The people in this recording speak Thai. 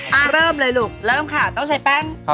เริ่มเลยลูกเริ่มค่ะต้องใช้แป้ง